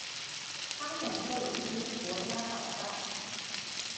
湯姆克魯斯國家寶藏